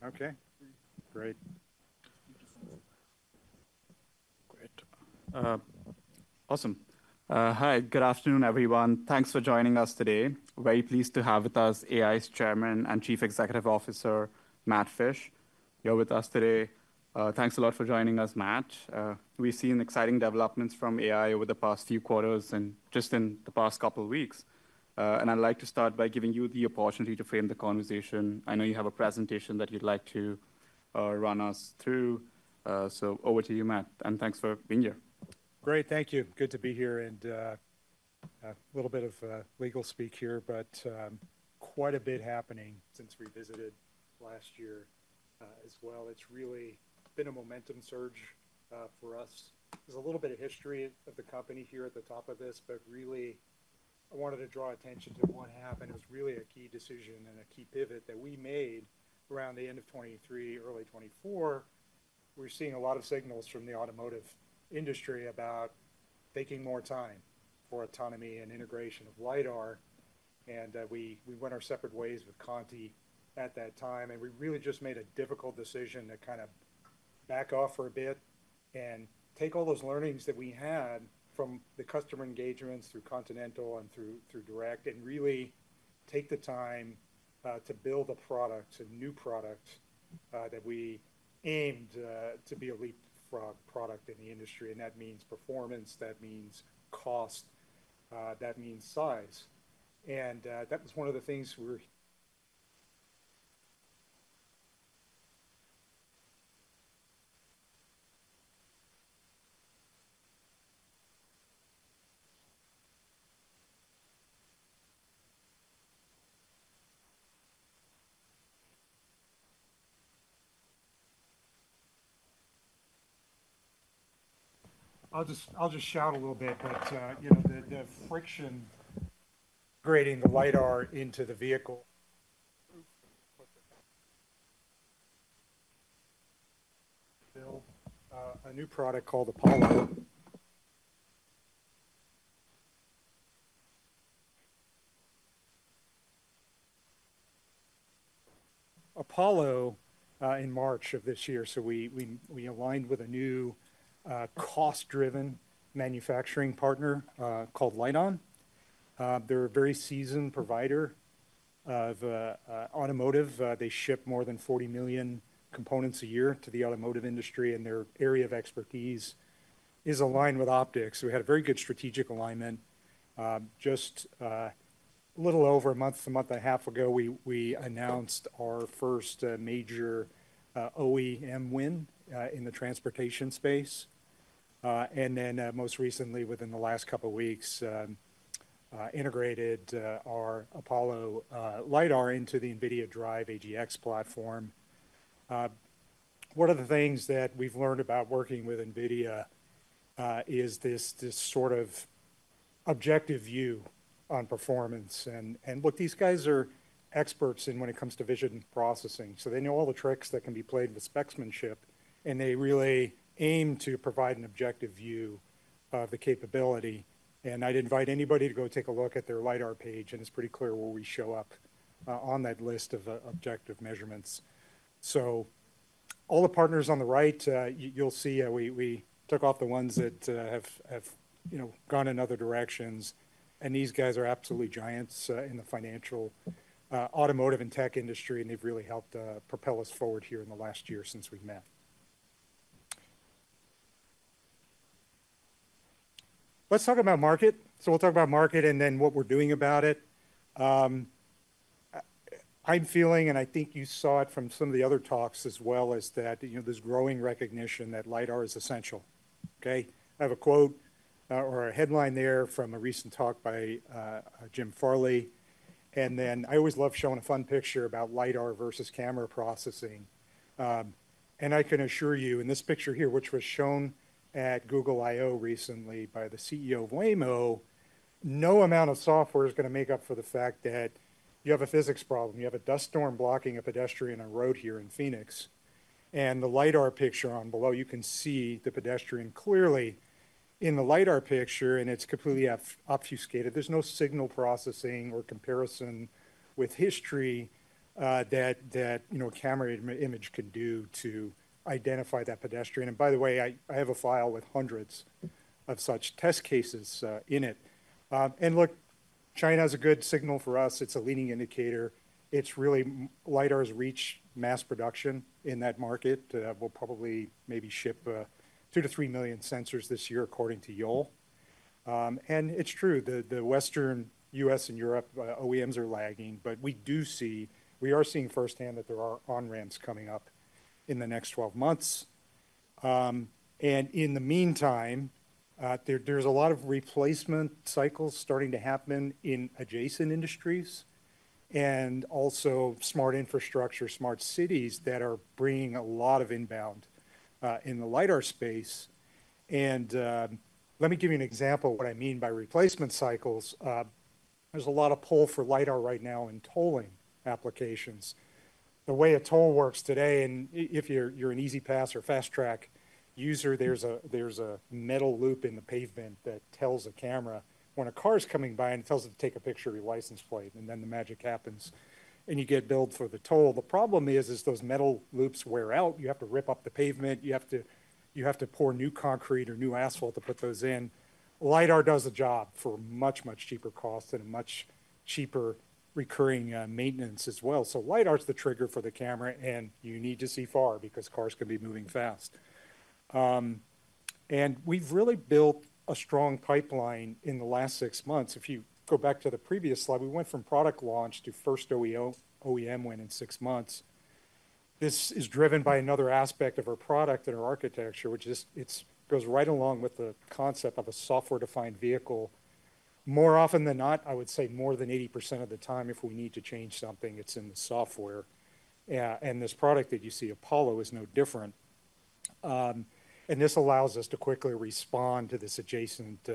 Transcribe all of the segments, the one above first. Maybe just a timeout. Okay, great. Great. Awesome. Hi, good afternoon, everyone. Thanks for joining us today. We're very pleased to have with us AEye's Chairman and Chief Executive Officer, Matt Fisch. You're with us today. Thanks a lot for joining us, Matt. We've seen exciting developments from AEye over the past few quarters and just in the past couple of weeks. I'd like to start by giving you the opportunity to frame the conversation. I know you have a presentation that you'd like to run us through. Over to you, Matt. Thanks for being here. Great, thank you. Good to be here. A little bit of legal speak here, but quite a bit happening since we visited last year as well. It's really been a momentum surge for us. There's a little bit of history of the company here at the top of this, but really, I wanted to draw attention to what happened. It was really a key decision and a key pivot that we made around the end of 2023, early 2024. We were seeing a lot of signals from the automotive industry about taking more time for autonomy and integration of LiDAR. We went our separate ways with Continental at that time. We really just made a difficult decision to kind of back off for a bit and take all those learnings that we had from the customer engagements through Continental and through direct and really take the time to build a product, a new product that we aimed to be a leapfrog product in the industry. That means performance, that means cost, that means size. That was one of the things—we, I'll just shout a little bit, but you know the friction of integrating the LiDAR into the vehicle. Build a new product called Apollo. Apollo in March of this year. We aligned with a new cost-driven manufacturing partner called LITEON. They're a very seasoned provider of automotive. They ship more than 40 million components a year to the automotive industry, and their area of expertise is aligned with optics. We had a very good strategic alignment. Just a little over a month to a month and a half ago, we announced our first major OEM win in the transportation space. Most recently, within the last couple of weeks, we integrated our Apollo LiDAR into the NVIDIA DRIVE AGX platform. One of the things that we've learned about working with NVIDIA is this sort of objective view on performance. These guys are experts when it comes to vision processing. They know all the tricks that can be played with specsmanship. They really aim to provide an objective view of the capability. I'd invite anybody to go take a look at their LiDAR page, and it's pretty clear where we show up on that list of objective measurements. All the partners on the right, you'll see we took off the ones that have gone in other directions. These guys are absolute giants in the financial, automotive, and tech industry, and they've really helped propel us forward here in the last year since we met. Let's talk about market. We'll talk about market and then what we're doing about it. I'm feeling, and I think you saw it from some of the other talks as well, that there's growing recognition that LiDAR is essential. I have a quote or a headline there from a recent talk by Jim Farley. I always love showing a fun picture about LiDAR versus camera processing. I can assure you, in this picture here, which was shown at Google I/O recently by the CEO of Waymo, no amount of software is going to make up for the fact that you have a physics problem. You have a dust storm blocking a pedestrian on a road here in Phoenix. In the LiDAR picture below, you can see the pedestrian clearly in the LiDAR picture, and it's completely obfuscated. There's no signal processing or comparison with history that a camera image can do to identify that pedestrian. By the way, I have a file with hundreds of such test cases in it. China is a good signal for us. It's a leading indicator. LiDAR's really reached mass production in that market. We'll probably maybe ship 2-3 million sensors this year, according to Yole. It's true, the Western U.S. and Europe OEMs are lagging, but we are seeing firsthand that there are on-ramps coming up in the next 12 months. In the meantime, there's a lot of replacement cycles starting to happen in adjacent industries and also smart infrastructure, smart cities that are bringing a lot of inbound in the LiDAR space. Let me give you an example of what I mean by replacement cycles. There's a lot of pull for LiDAR right now in tolling applications. The way a toll works today, if you're an E-ZPass or FasTrak user, there's a metal loop in the pavement that tells a camera when a car is coming by and it tells it to take a picture of your license plate. The magic happens and you get billed for the toll. The problem is those metal loops wear out. You have to rip up the pavement. You have to pour new concrete or new asphalt to put those in. LiDAR does the job for a much, much cheaper cost and a much cheaper recurring maintenance as well. LiDAR is the trigger for the camera, and you need to see far because cars can be moving fast. We've really built a strong pipeline in the last six months. If you go back to the previous slide, we went from product launch to first OEM win in six months. This is driven by another aspect of our product and our architecture, which goes right along with the concept of a software-defined vehicle. More often than not, I would say more than 80% of the time, if we need to change something, it's in the software. This product that you see, Apollo, is no different. This allows us to quickly respond to this adjacent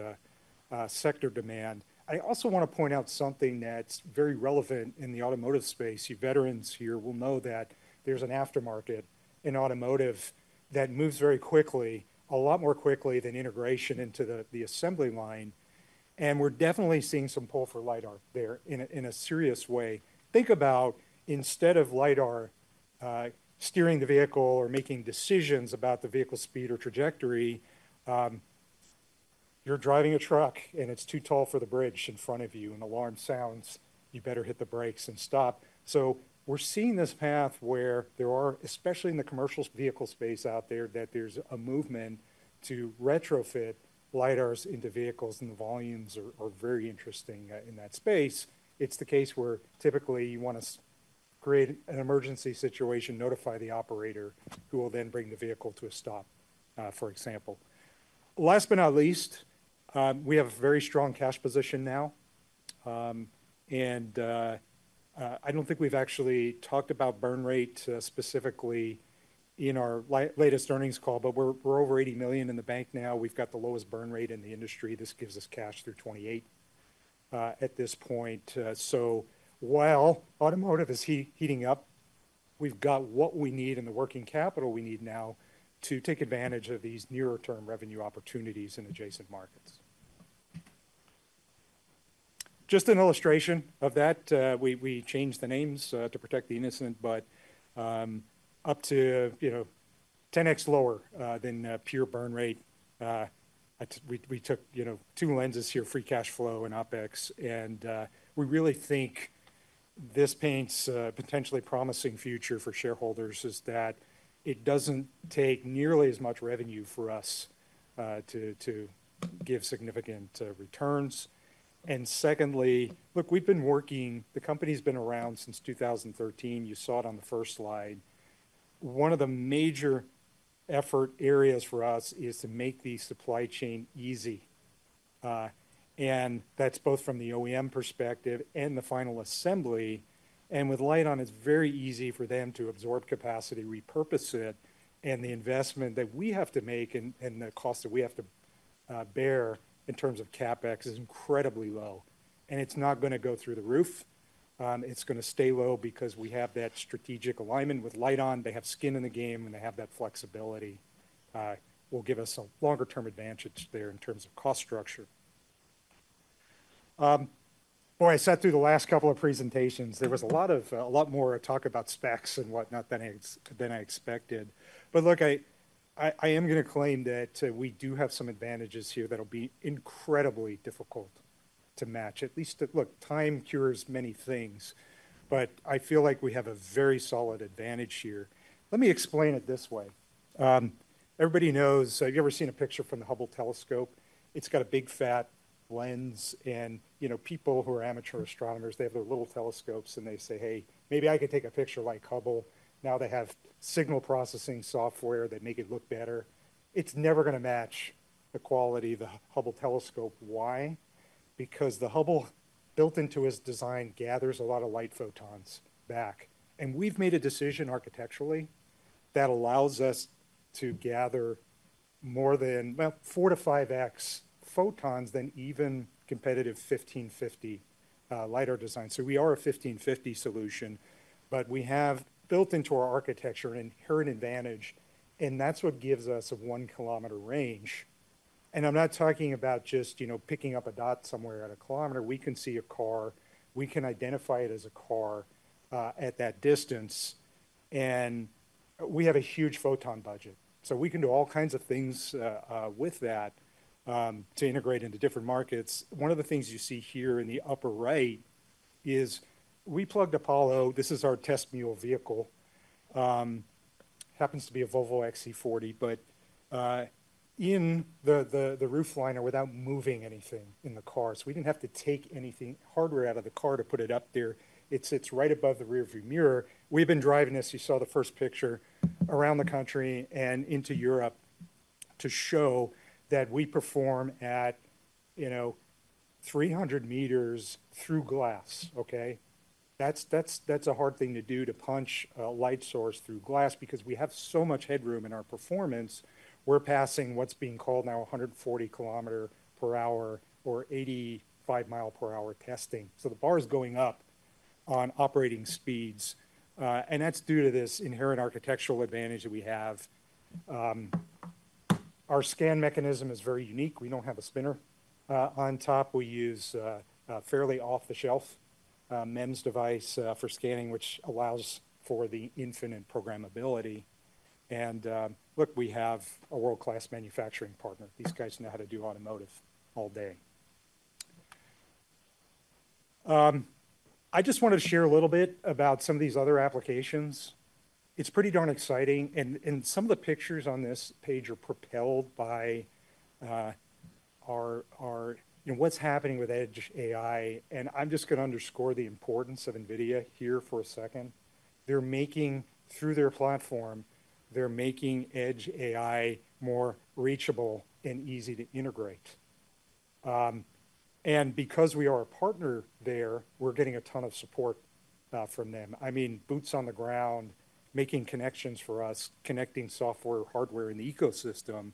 sector demand. I also want to point out something that's very relevant in the automotive space. You veterans here will know that there's an aftermarket in automotive that moves very quickly, a lot more quickly than integration into the assembly line. We're definitely seeing some pull for LiDAR there in a serious way. Think about instead of LiDAR steering the vehicle or making decisions about the vehicle's speed or trajectory, you're driving a truck and it's too tall for the bridge in front of you and an alarm sounds, you better hit the brakes and stop. We're seeing this path where there are, especially in the commercial vehicle space out there, that there's a movement to retrofit LiDARs into vehicles and the volumes are very interesting in that space. It's the case where typically you want to create an emergency situation, notify the operator who will then bring the vehicle to a stop, for example. Last but not least, we have a very strong cash position now. I don't think we've actually talked about burn rate specifically in our latest earnings call, but we're over $80 million in the bank now. We've got the lowest burn rate in the industry. This gives us cash through 2028 at this point. While automotive is heating up, we've got what we need and the working capital we need now to take advantage of these nearer-term revenue opportunities in adjacent markets. Just an illustration of that, we changed the names to protect the innocent, but up to 10x lower than pure burn rate. We took two lenses here, free cash flow and OpEx. We really think this paints a potentially promising future for shareholders as it doesn't take nearly as much revenue for us to give significant returns. Secondly, look, we've been working, the company's been around since 2013. You saw it on the first slide. One of the major effort areas for us is to make the supply chain easy. That's both from the OEM perspective and the final assembly. With LiDAR, it's very easy for them to absorb capacity, repurpose it. The investment that we have to make and the cost that we have to bear in terms of CapEx is incredibly low. It's not going to go through the roof. It's going to stay low because we have that strategic alignment with LiDAR. They have skin in the game and they have that flexibility. It will give us a longer-term advantage there in terms of cost structure. When I sat through the last couple of presentations, there was a lot more talk about specs and whatnot than I expected. Look, I am going to claim that we do have some advantages here that will be incredibly difficult to match. At least, time cures many things, but I feel like we have a very solid advantage here. Let me explain it this way. Everybody knows, have you ever seen a picture from the Hubble telescope? It's got a big fat lens. You know people who are amateur astronomers, they have their little telescopes and they say, "Hey, maybe I can take a picture like Hubble." Now they have signal processing software that make it look better. It's never going to match the quality of the Hubble telescope. Why? Because the Hubble, built into its design, gathers a lot of light photons back. We've made a decision architecturally that allows us to gather more than, well, four to five X photons than even competitive 1550 nm LiDAR design. We are a 1550 nm solution, but we have built into our architecture an inherent advantage. That's what gives us a one km range. I'm not talking about just, you know, picking up a dot somewhere at a km. We can see a car. We can identify it as a car at that distance. We have a huge photon budget. We can do all kinds of things with that to integrate into different markets. One of the things you see here in the upper right is we plugged Apollo. This is our test mule vehicle. It happens to be a Volvo XC40, but in the roof liner without moving anything in the car. We didn't have to take anything hardware out of the car to put it up there. It sits right above the rearview mirror. We've been driving, as you saw the first picture, around the country and into Europe to show that we perform at, you know, 300 m through glass. That's a hard thing to do to punch a light source through glass because we have so much headroom in our performance. We're passing what's being called now 140 km/h or 85 mi/h testing. The bar is going up on operating speeds. That's due to this inherent architectural advantage that we have. Our scan mechanism is very unique. We don't have a spinner on top. We use a fairly off-the-shelf MEMS device for scanning, which allows for the infinite programmability. Look, we have a world-class manufacturing partner. These guys know how to do automotive all day. I just wanted to share a little bit about some of these other applications. It's pretty darn exciting. Some of the pictures on this page are propelled by what's happening with Edge AI. I'm just going to underscore the importance of NVIDIA here for a second. Through their platform, they're making Edge AI more reachable and easy to integrate. Because we are a partner there, we're getting a ton of support from them. I mean, boots on the ground, making connections for us, connecting software, hardware, and the ecosystem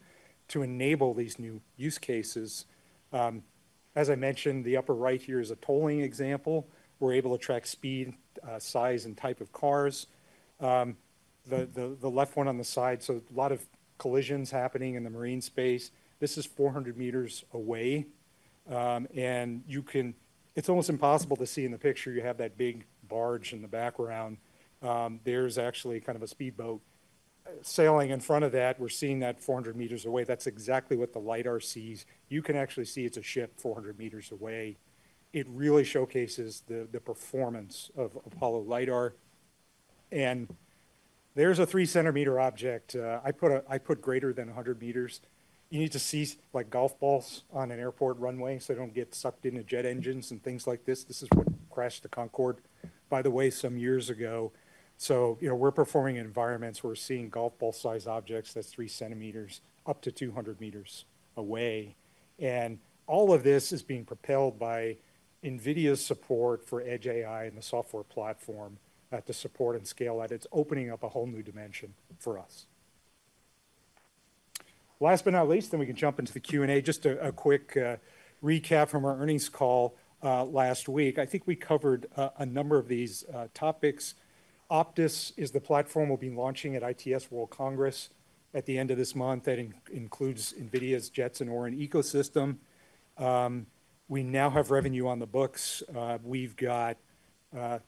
to enable these new use cases. As I mentioned, the upper right here is a tolling example. We're able to track speed, size, and type of cars. The left one on the side, a lot of collisions happening in the marine space. This is 400 m away. It's almost impossible to see in the picture. You have that big barge in the background. There's actually kind of a speedboat sailing in front of that. We're seeing that 400 m away. That's exactly what the LiDAR sees. You can actually see it's a ship 400 m away. It really showcases the performance of Apollo LiDAR. There's a three-centimeter object. I put greater than 100 m. You need to see like golf balls on an airport runway so they don't get sucked into jet engines and things like this. This is what crashed the Concorde by the way some years ago. We're performing in environments where we're seeing golf ball-sized objects that's three cm up to 200 m away. All of this is being propelled by NVIDIA's support for Edge AI and the software platform to support and scale that. It's opening up a whole new dimension for us. Last but not least, then we can jump into the Q&A. Just a quick recap from our earnings call last week. I think we covered a number of these topics. OPTIS is the platform we'll be launching at ITS World Congress at the end of this month. That includes NVIDIA's Jetson Orin ecosystem. We now have revenue on the books. We've got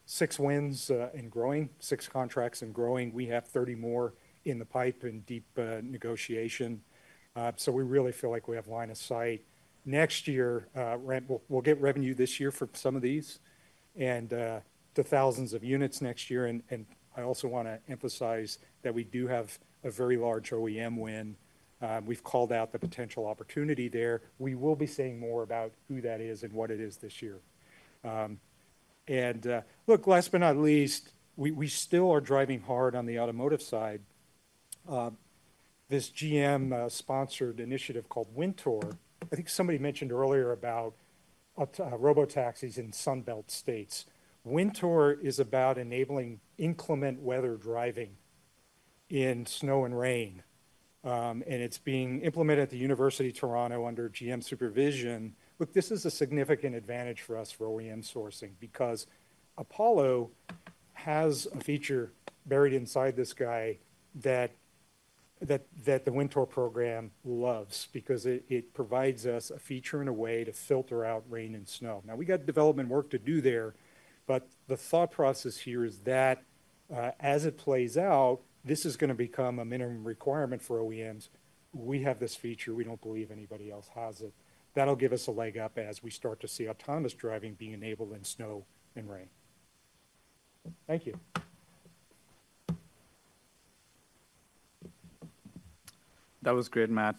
six wins and growing, six contracts and growing. We have 30 more in the pipe in deep negotiation. We really feel like we have line of sight. Next year, we'll get revenue this year for some of these and to 1000s of units next year. I also want to emphasize that we do have a very large OEM win. We've called out the potential opportunity there. We will be saying more about who that is and what it is this year. Last but not least, we still are driving hard on the automotive side. This GM-sponsored initiative called WinTOR. I think somebody mentioned earlier about robotaxis in Sunbelt states. WinTOR is about enabling inclement weather driving in snow and rain. It's being implemented at the University of Toronto under GM supervision. This is a significant advantage for us for OEM sourcing because Apollo has a feature buried inside this guy that the WinTOR program loves because it provides us a feature in a way to filter out rain and snow. We got development work to do there, but the thought process here is that as it plays out, this is going to become a minimum requirement for OEMs. We have this feature. We don't believe anybody else has it. That'll give us a leg up as we start to see autonomous driving being enabled in snow and rain. Thank you. That was great, Matt.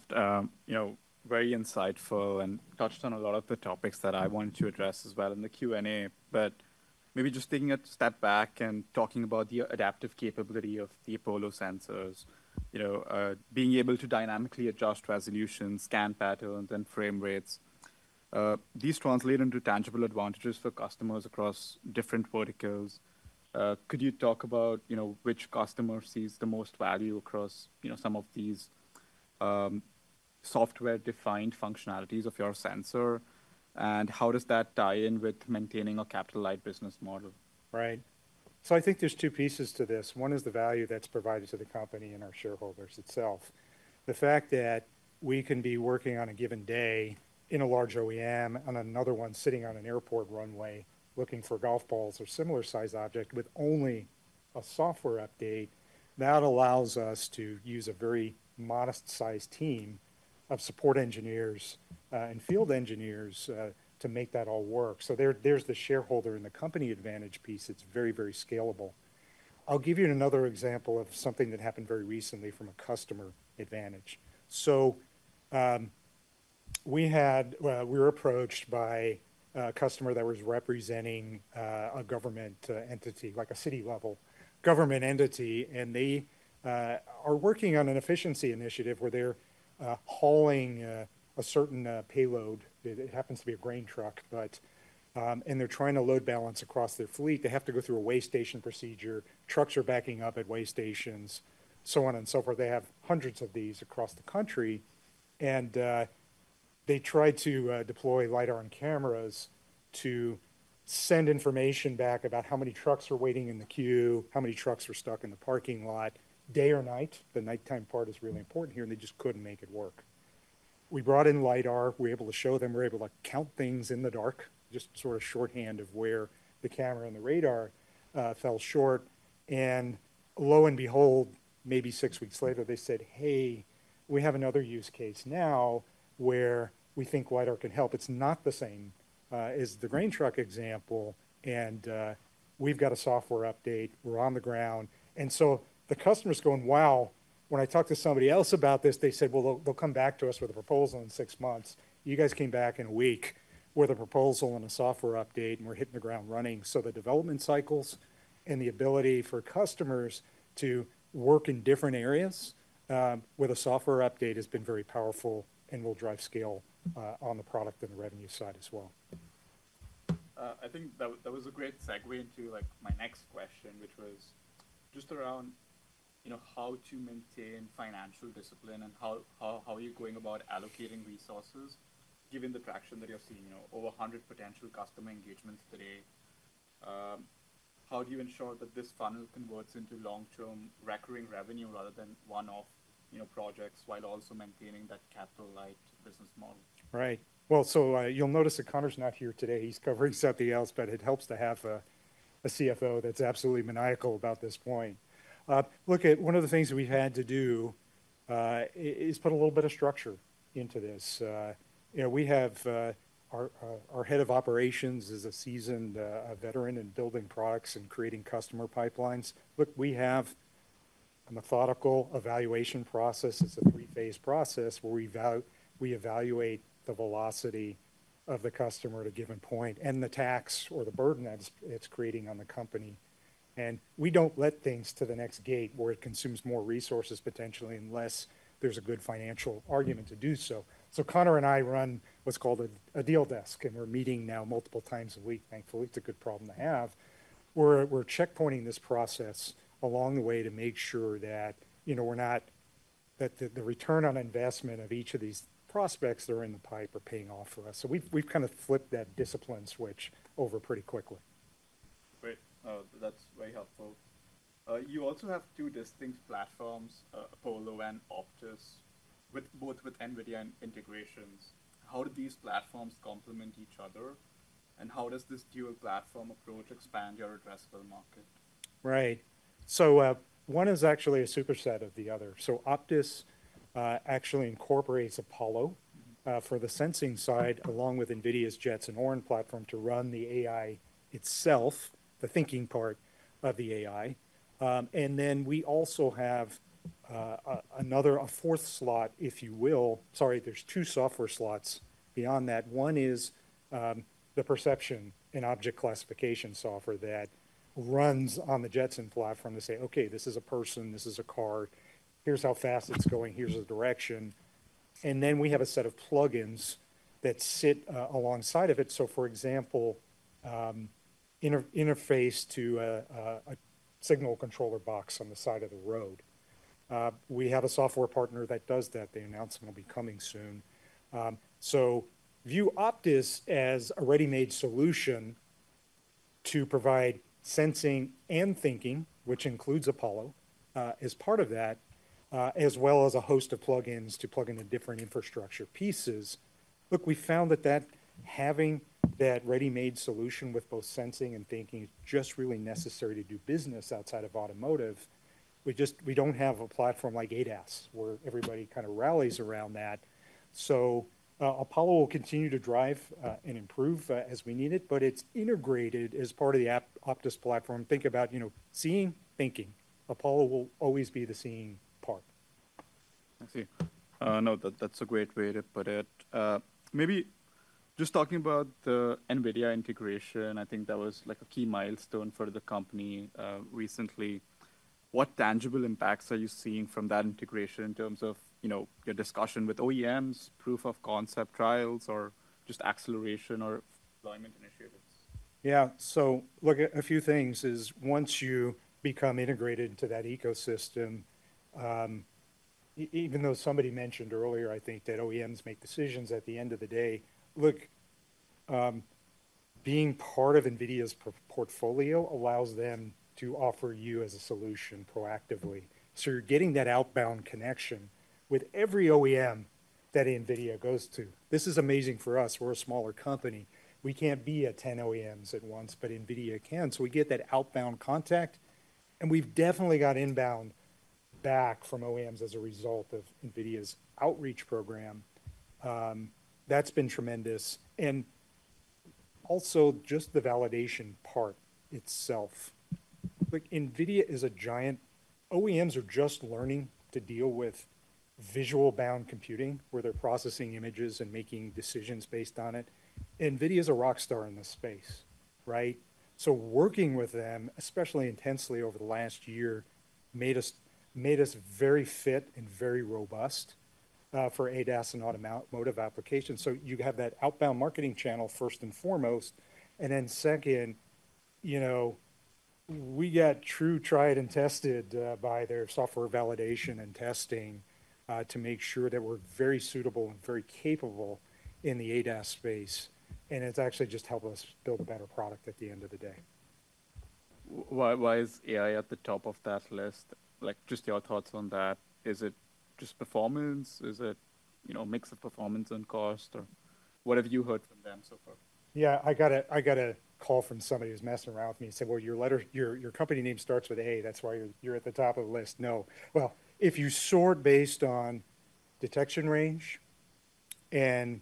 Very insightful and touched on a lot of the topics that I want to address as well in the Q&A. Maybe just taking a step back and talking about the adaptive capability of the Apollo sensors, being able to dynamically adjust resolution, scan patterns, and frame rates. These translate into tangible advantages for customers across different verticals. Could you talk about which customer sees the most value across some of these software-defined functionalities of your sensor? How does that tie in with maintaining a capital-light business model? Right. I think there's two pieces to this. One is the value that's provided to the company and our shareholders itself. The fact that we can be working on a given day in a large OEM and another one sitting on an airport runway looking for golf balls or similar size objects with only a software update allows us to use a very modest size team of support engineers and field engineers to make that all work. There's the shareholder and the company advantage piece. It's very, very scalable. I'll give you another example of something that happened very recently from a customer advantage. We were approached by a customer that was representing a government entity, like a city-level government entity, and they are working on an efficiency initiative where they're hauling a certain payload. It happens to be a grain truck, but they're trying to load balance across their fleet. They have to go through a weigh station procedure. Trucks are backing up at weigh stations, so on and so forth. They have hundreds of these across the country. They tried to deploy LiDAR and cameras to send information back about how many trucks are waiting in the queue, how many trucks are stuck in the parking lot, day or night. The nighttime part is really important here, and they just couldn't make it work. We brought in LiDAR. We were able to show them. We were able to count things in the dark, just sort of shorthand of where the camera and the radar fell short. Lo and behold, maybe six weeks later, they said, "Hey, we have another use case now where we think LiDAR could help. It's not the same as the grain truck example. We've got a software update. We're on the ground." The customer's going, "Wow." When I talked to somebody else about this, they said, "They'll come back to us with a proposal in six months." You guys came back in a week with a proposal and a software update, and we're hitting the ground running. The development cycles and the ability for customers to work in different areas with a software update has been very powerful and will drive scale on the product and the revenue side as well. I think that was a great segue into my next question, which was just around, you know, how to maintain financial discipline and how are you going about allocating resources given the traction that you're seeing. You know, over 100 potential customer engagements today. How do you ensure that this funnel converts into long-term recurring revenue rather than one-off projects while also maintaining that capital-light business model? Right. You'll notice that Conor's not here today. He's covering something else, but it helps to have a CFO that's absolutely maniacal about this point. One of the things that we had to do is put a little bit of structure into this. You know, our Head of Operations is a seasoned veteran in building products and creating customer pipelines. We have a methodical evaluation process. It's a III-phase process where we evaluate the velocity of the customer at a given point and the tax or the burden that it's creating on the company. We don't let things to the next gate where it consumes more resources potentially unless there's a good financial argument to do so. Conor and I run what's called a deal desk, and we're meeting now multiple times a week. Thankfully, it's a good problem to have. We're checkpointing this process along the way to make sure that the return on investment of each of these prospects that are in the pipe are paying off for us. We've kind of flipped that discipline switch over pretty quickly. Great. That's very helpful. You also have two distinct platforms, Apollo and OPTIS, both with NVIDIA and integrations. How do these platforms complement each other? How does this dual platform approach expand your addressable market? Right. One is actually a superset of the other. OPTIS actually incorporates Apollo for the sensing side, along with NVIDIA's Jetson Orin platform to run the AI itself, the thinking part of the AI. We also have another, a fourth slot, if you will. There are two software slots beyond that. One is the perception and object classification software that runs on the Jetson platform to say, "Okay, this is a person, this is a car, here's how fast it's going, here's the direction." We have a set of plugins that sit alongside of it. For example, interface to a signal controller box on the side of the road. We have a software partner that does that. They announced and will be coming soon. View OPTIS as a ready-made solution to provide sensing and thinking, which includes Apollo as part of that, as well as a host of plugins to plug into different infrastructure pieces. We found that having that ready-made solution with both sensing and thinking is just really necessary to do business outside of automotive. We just don't have a platform like ADAS where everybody kind of rallies around that. Apollo will continue to drive and improve as we need it, but it's integrated as part of the OPTIS platform. Think about, you know, seeing, thinking. Apollo will always be the seeing part. I see. No, that's a great way to put it. Maybe just talking about the NVIDIA integration, I think that was a key milestone for the company recently. What tangible impacts are you seeing from that integration in terms of your discussion with OEMs, proof of concept trials, or just acceleration or deployment initiatives? Yeah, so look, a few things is once you become integrated into that ecosystem, even though somebody mentioned earlier, I think that OEMs make decisions at the end of the day. Look, being part of NVIDIA's portfolio allows them to offer you as a solution proactively. You're getting that outbound connection with every OEM that NVIDIA goes to. This is amazing for us. We're a smaller company. We can't be at 10 OEMs at once, but NVIDIA can. We get that outbound contact, and we've definitely got inbound back from OEMs as a result of NVIDIA's outreach program. That's been tremendous. Also, just the validation part itself. NVIDIA is a giant. OEMs are just learning to deal with visual-bound computing where they're processing images and making decisions based on it. NVIDIA is a rock star in this space, right? Working with them, especially intensely over the last year, made us very fit and very robust for ADAS and automotive applications. You have that outbound marketing channel first and foremost. Second, we got true tried and tested by their software validation and testing to make sure that we're very suitable and very capable in the ADAS space. It's actually just helped us build a better product at the end of the day. Why is AEye at the top of that list? Just your thoughts on that. Is it just performance? Is it a mix of performance and cost? What have you heard from them so far? I got a call from somebody who's messing around with me and said, "Your company name starts with A. That's why you're at the top of the list." No. If you sort based on detection range, and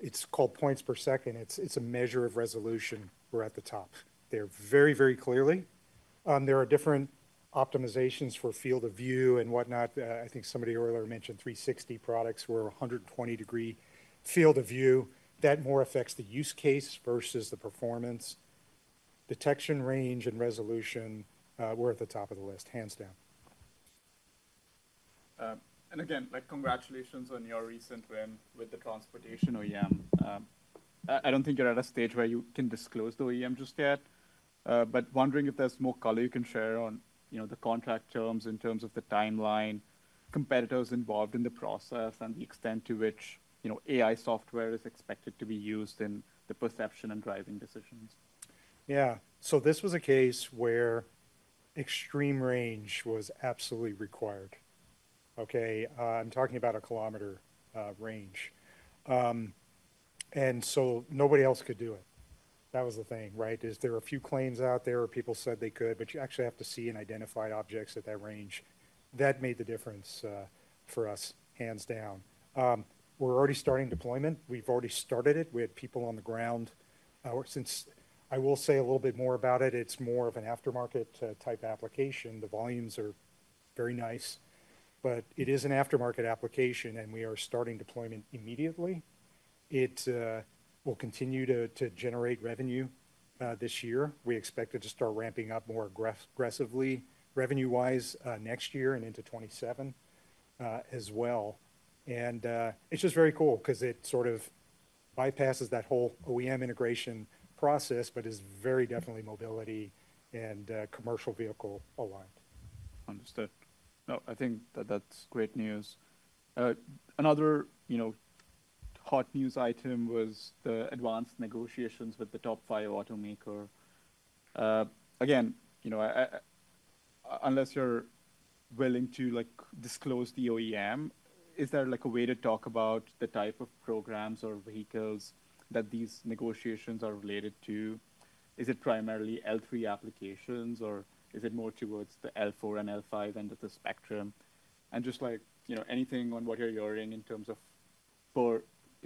it's called points per second, it's a measure of resolution, we're at the top. They're very, very clearly. There are different optimizations for field of view and whatnot. I think somebody earlier mentioned 360-degree products or 120-degree field of view. That more affects the use case versus the performance. Detection range and resolution, we're at the top of the list, hands down. Congratulations on your recent win with the transportation OEM. I don't think you're at a stage where you can disclose the OEM just yet. Wondering if there's more color you can share on the contract terms in terms of the timeline, competitors involved in the process, and the extent to which AEye software is expected to be used in the perception and driving decisions. Yeah, so this was a case where extreme range was absolutely required. Okay, I'm talking about a kilometer range. Nobody else could do it. That was the thing, right? There were a few claims out there where people said they could, but you actually have to see and identify objects at that range. That made the difference for us, hands down. We're already starting deployment. We've already started it with people on the ground. I will say a little bit more about it. It's more of an aftermarket type application. The volumes are very nice, but it is an aftermarket application, and we are starting deployment immediately. It will continue to generate revenue this year. We expect it to start ramping up more aggressively revenue-wise next year and into 2027 as well. It's just very cool because it sort of bypasses that whole OEM integration process, but is very definitely mobility and commercial vehicle aligned. Understood. I think that that's great news. Another hot news item was the advanced negotiations with the top five automakers. Again, unless you're willing to disclose the OEM, is there a way to talk about the type of programs or vehicles that these negotiations are related to? Is it primarily L3 applications, or is it more towards the L4 and L5 end of the spectrum? Anything on what you're hearing in terms of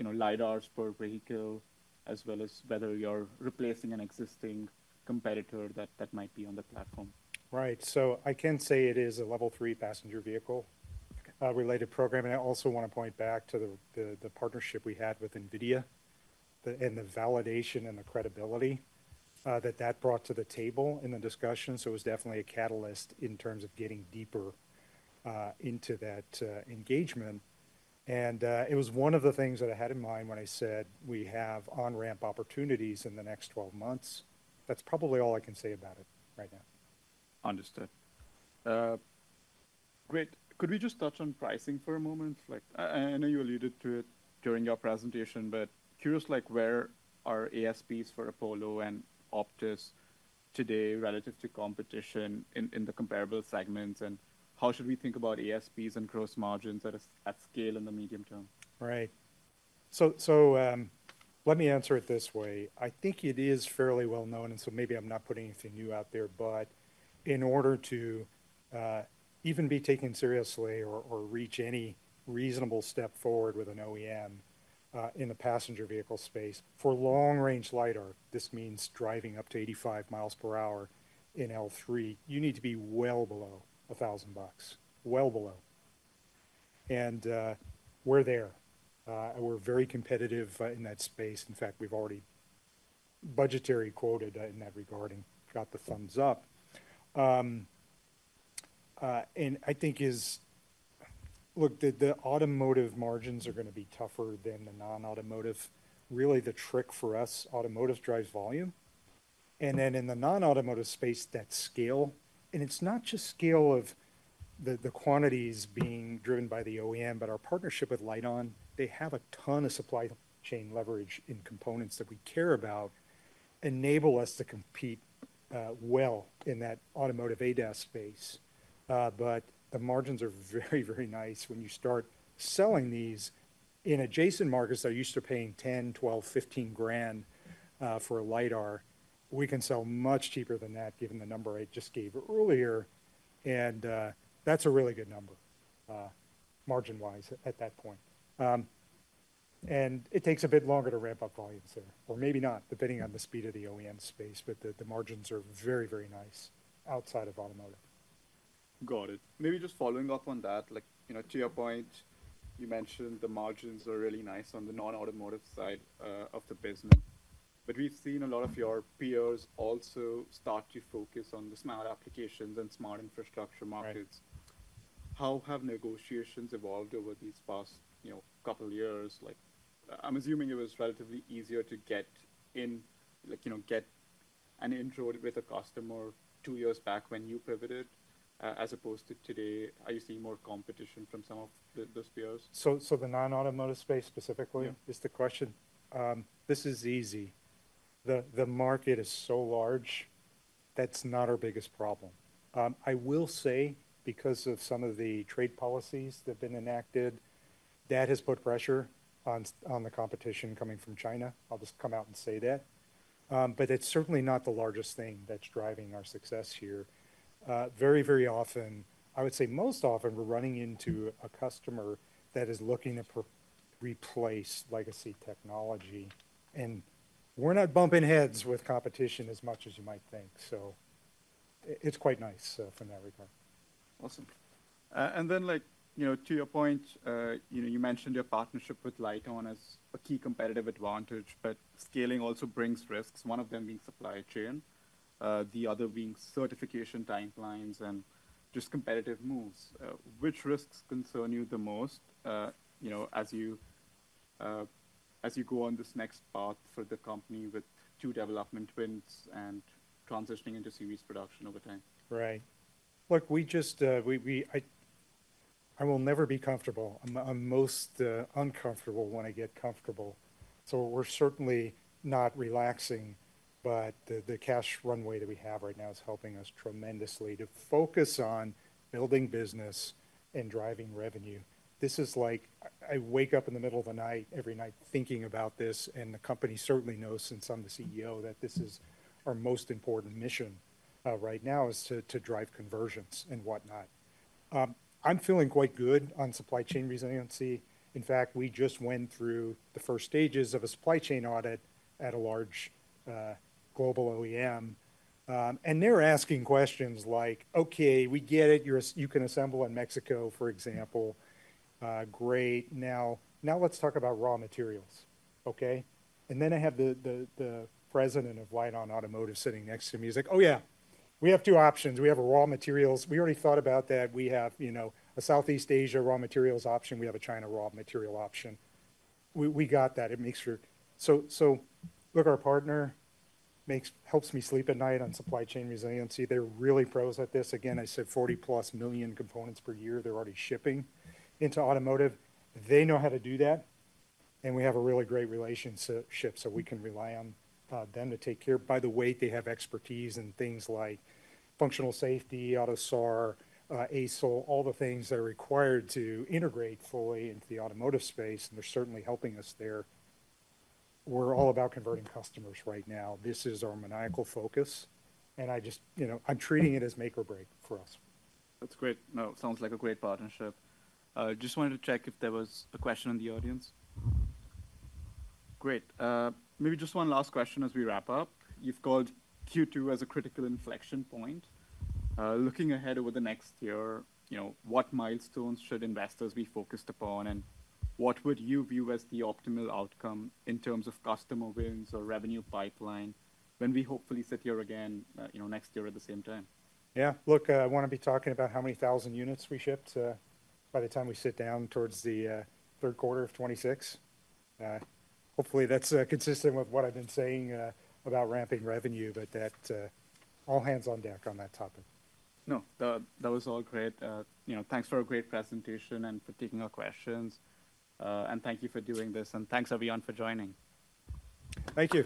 LiDARs per vehicle, as well as whether you're replacing an existing competitor that might be on the platform. Right. I can say it is a Level 3 passenger vehicle-related program. I also want to point back to the partnership we had with NVIDIA and the validation and the credibility that brought to the table in the discussion. It was definitely a catalyst in terms of getting deeper into that engagement. It was one of the things that I had in mind when I said we have on-ramp opportunities in the next 12 months. That's probably all I can say about it right now. Understood. Great. Could we just touch on pricing for a moment? I know you alluded to it during your presentation, but curious, where are ASPs for Apollo and OPTIS today relative to competition in the comparable segments? How should we think about ASPs and gross margins at scale in the medium term? Right. Let me answer it this way. I think it is fairly well known, and maybe I'm not putting anything new out there, but in order to even be taken seriously or reach any reasonable step forward with an OEM in the passenger vehicle space, for long-range LiDAR, this means driving up to 85 mi/h in L3. You need to be well below $1,000, well below. We're there. We're very competitive in that space. In fact, we've already budgetary quoted in that regard and got the thumbs up. I think the automotive margins are going to be tougher than the non-automotive. Really, the trick for us, automotive drives volume. In the non-automotive space, that's scale. It's not just scale of the quantities being driven by the OEM, but our partnership with LITEON. They have a ton of supply chain leverage in components that we care about, enable us to compete well in that automotive ADAS space. The margins are very, very nice when you start selling these in adjacent markets that are used to paying $10,000, $12,000, $15,000 for a LiDAR. We can sell much cheaper than that, given the number I just gave earlier. That's a really good number margin-wise at that point. It takes a bit longer to ramp up volumes there, or maybe not, depending on the speed of the OEM space, but the margins are very, very nice outside of automotive. Got it. Maybe just following up on that, to your point, you mentioned the margins are really nice on the non-automotive side of the business. We've seen a lot of your peers also start to focus on the smart applications and smart infrastructure markets. How have negotiations evolved over these past couple of years? I'm assuming it was relatively easier to get in, get an intro with a customer two years back when you pivoted as opposed to today. Are you seeing more competition from some of those peers? The non-automotive space specifically is the question. This is easy. The market is so large. That's not our biggest problem. I will say, because of some of the trade policies that have been enacted, that has put pressure on the competition coming from China. I'll just come out and say that. It's certainly not the largest thing that's driving our success here. Very, very often, I would say most often, we're running into a customer that is looking to replace legacy technology. We're not bumping heads with competition as much as you might think. It's quite nice from that regard. Awesome. To your point, you mentioned your partnership with LITEON as a key competitive advantage, but scaling also brings risks, one of them being supply chain, the other being certification timelines and just competitive moves. Which risks concern you the most as you go on this next path for the company with two development twins and transitioning into series production over time? Right. Look, we just, I will never be comfortable. I'm most uncomfortable when I get comfortable. We're certainly not relaxing, but the cash runway that we have right now is helping us tremendously to focus on building business and driving revenue. This is like I wake up in the middle of the night every night thinking about this, and the company certainly knows since I'm the CEO that this is our most important mission right now is to drive conversions and whatnot. I'm feeling quite good on supply chain resiliency. In fact, we just went through the first stages of a supply chain audit at a large global OEM. They're asking questions like, "Okay, we get it. You can assemble in Mexico, for example. Great. Now let's talk about raw materials." I have the President of LITEON Automotive sitting next to me. He's like, "Oh yeah, we have two options. We have raw materials. We already thought about that. We have, you know, a Southeast Asia raw materials option. We have a China raw material option. We got that." It makes for, look, our partner helps me sleep at night on supply chain resiliency. They're really pros at this. Again, I said 40+ million components per year. They're already shipping into automotive. They know how to do that. We have a really great relationship so we can rely on them to take care. By the way, they have expertise in things like functional safety, AUTOSAR, ASIL, all the things that are required to integrate fully into the automotive space. They're certainly helping us there. We're all about converting customers right now. This is our maniacal focus. I just, you know, I'm treating it as make or break for us. That's great. No, it sounds like a great partnership. I just wanted to check if there was a question in the audience. Great. Maybe just one last question as we wrap up. You've called Q2 as a critical inflection point. Looking ahead over the next year, what milestones should investors be focused upon? What would you view as the optimal outcome in terms of customer wins or revenue pipeline when we hopefully sit here again next year at the same time? Yeah, look, I want to be talking about how many thousand units we shipped by the time we sit down towards the third quarter of 2026. Hopefully, that's consistent with what I've been saying about ramping revenue, but that all hands on deck on that topic. No, that was all great. Thank you for a great presentation and for taking our questions. Thank you for doing this, and thanks everyone for joining. Thank you.